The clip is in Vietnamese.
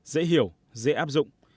dễ hiểu dễ áp dụng